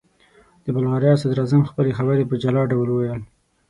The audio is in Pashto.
د بلغاریا صدراعظم خپلې خبرې په جلا ډول وویل.